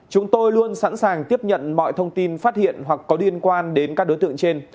chúng tôi luôn sẵn sàng tiếp nhận mọi thông tin phát hiện hoặc có liên quan đến các đối tượng trên